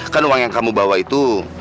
kan uang yang kamu bawa itu